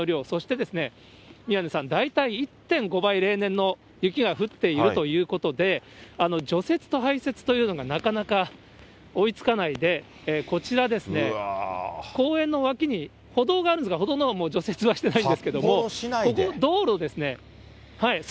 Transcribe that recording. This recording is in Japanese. そして、宮根さん、大体１．５倍、例年の、雪が降っているということで、除雪と排雪というのがなかなか追いつかないで、こちらですね、公園の脇に歩道があるんですが、歩道のほう、除雪はしてないんですけれども、ここ、道路ですね。